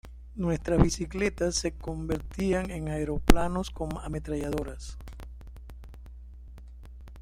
Nuestras bicicletas se convertían en aeroplanos con ametralladoras.